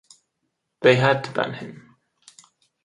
They had to ban him.